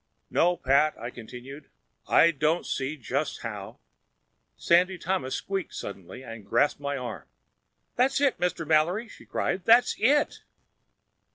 "No, Pat," I continued, "I don't see just how—" Sandy Thomas squeaked suddenly and grasped my arm. "That's it, Mr. Mallory!" she cried. "That's it!"